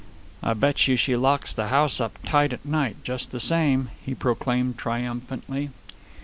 "I bet you she locks the house up tight at night just the same," he proclaimed triumphantly.